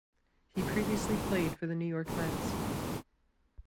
He previously played for the New York Mets.